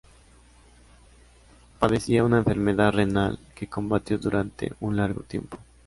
Padecía una enfermedad renal que combatió durante un largo tiempo.